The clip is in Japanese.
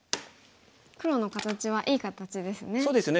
黒の形はいい形ですね。